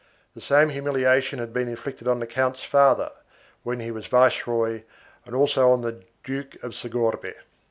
The same humiliation had been inflicted on the count's father, when he was viceroy, and also on the Duke of Segorbe.